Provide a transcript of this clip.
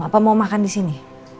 apa mau makan disini